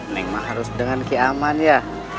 neng mah harus dengan ki aman ya